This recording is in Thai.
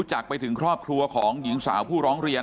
จากไปถึงครอบครัวของหญิงสาวผู้ร้องเรียน